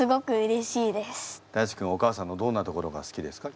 大馳くんはお母さんのどんなところが好きですか？